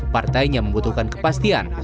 partainya membutuhkan kepastian